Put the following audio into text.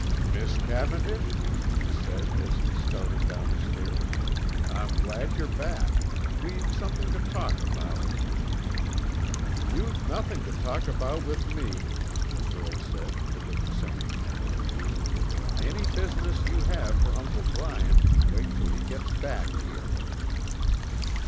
"Miss Cavendish," he said as he started down the stairs, "I'm glad you're back. We've something to talk about." "You've nothing to talk about with me," the girl said to the descending man. "Any business you have for Uncle Bryant can wait until he gets back here."